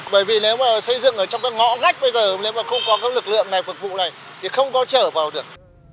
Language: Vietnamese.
bởi vì nếu mà xây dựng ở trong cái ngõ ngách bây giờ nếu mà không có các lực lượng này phục vụ này thì không có trở vào được